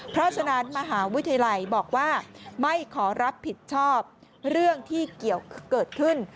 เพราะฉะนั้นมหาวิทยาลัยบอกว่าไม่ขอรับผิดชอบเรื่องที่เกี่ยวเกิดขึ้น